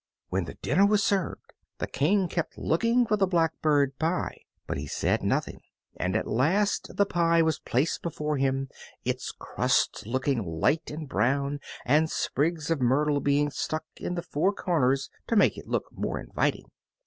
When the dinner was served, the King kept looking for the blackbird pie, but he said nothing, and at last the pie was placed before him, its crusts looking light and brown, and sprigs of myrtle being stuck in the four corners to make it look more inviting.